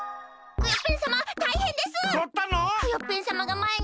クヨッペンさまがまえに。